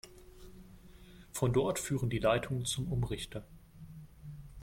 Von dort führen die Leitungen zum Umrichter.